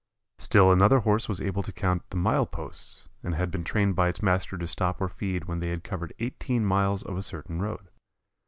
Still another Horse was able to count the mile posts and had been trained by its master to stop for feed when they had covered eighteen miles of a certain road.